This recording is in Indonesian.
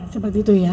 seperti itu ya